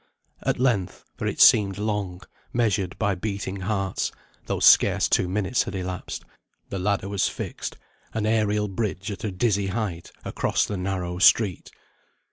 At length for it seemed long, measured by beating hearts, though scarce two minutes had elapsed the ladder was fixed, an aerial bridge at a dizzy height, across the narrow street.